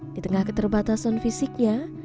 di tengah keterbatasan fisiknya